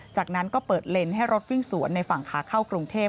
จากนั้นก็เปิดเลนส์ให้รถวิ่งสวนในฝั่งขาเข้ากรุงเทพ